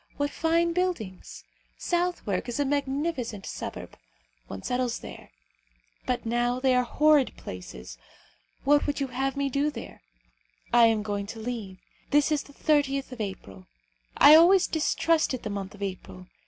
What fine buildings! Southwark is a magnificent suburb. One settles there. But now they are horrid places. What would you have me do there? I am going to leave. This is the 30th of April. I always distrusted the month of April.